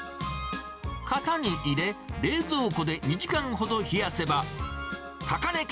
型に入れ、冷蔵庫で２時間ほど冷やせば、高根家